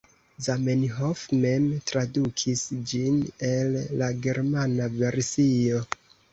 Zamenhof mem tradukis ĝin el la germana versio.